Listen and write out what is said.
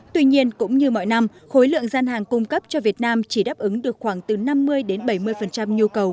tuy nhiên cũng như mọi năm khối lượng gian hàng cung cấp cho việt nam chỉ đáp ứng được khoảng từ năm mươi đến bảy mươi nhu cầu